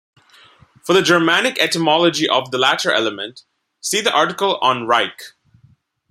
For the Germanic etymology of the latter element, see the article on Reich.